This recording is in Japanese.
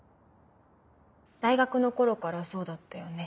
大学の頃からそうだったよね